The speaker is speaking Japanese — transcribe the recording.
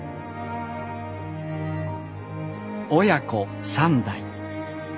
親子３代。